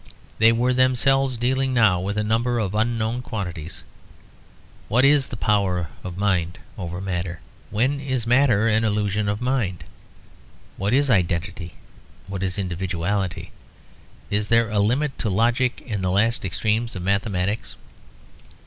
They were themselves dealing now with a number of unknown quantities; what is the power of mind over matter; when is matter an illusion of mind; what is identity, what is individuality, is there a limit to logic in the last extremes of mathematics?